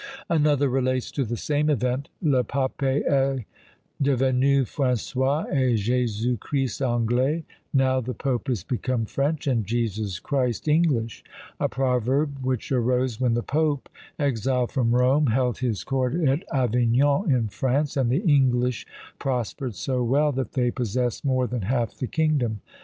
Another relates to the same event Le Pape est devenu François, et Jesus Christ Anglais: "Now the Pope is become French and Jesus Christ English;" a proverb which arose when the Pope, exiled from Rome, held his court at Avignon in France; and the English prospered so well, that they possessed more than half the kingdom.